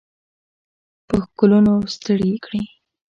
په ښکلونو ستړي کړي